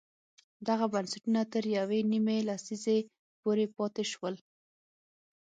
دغه بنسټونه تر یوې نیمې لسیزې پورې پاتې شول.